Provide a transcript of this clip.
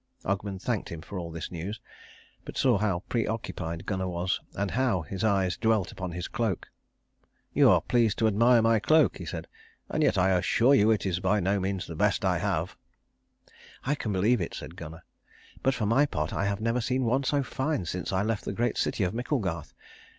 Ogmund thanked him for all this news; but saw how preoccupied Gunnar was, and how his eyes dwelt upon his cloak. "You are pleased to admire my cloak," he said. "And yet I assure you it is by no means the best I have." "I can believe it," said Gunnar, "but for my part I have never seen one so fine since I left the great city of Micklegarth.